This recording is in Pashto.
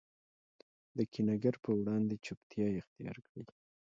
د کینه ګر په وړاندي چوپتیا اختیارکړئ!